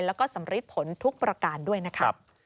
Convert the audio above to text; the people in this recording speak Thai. แล้วก็สำริดผลทุกประการด้วยนะครับ